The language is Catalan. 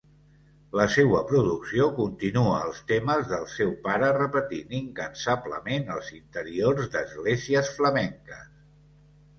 La seua producció continua els temes del seu pare repetint incansablement els interiors d'esglésies flamenques.